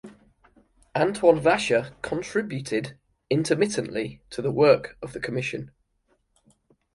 Antoine Vacher contributed intermittently to the work of the Commission.